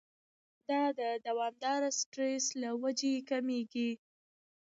دا د دوامداره سټرېس له وجې کميږي